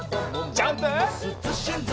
ジャンプ！